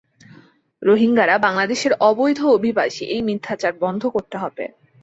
রোহিঙ্গারা বাংলাদেশের অবৈধ অভিবাসী, এই মিথ্যাচার বন্ধ করতে হবে।